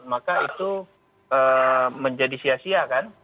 maka itu menjadi sia sia kan